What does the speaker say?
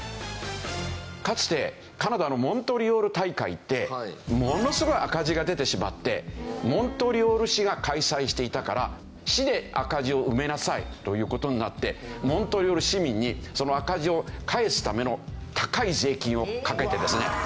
かつてカナダのモントリオール大会でものすごい赤字が出てしまってモントリオール市が開催していたから市で赤字を埋めなさいという事になってモントリオール市民にその赤字を返すための高い税金をかけてですね